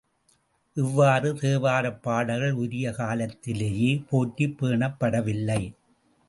இவ்வாறு தேவாரப் பாடல்கள் உரிய காலத்திலேயே போற்றிப் பேணப்படவில்லை.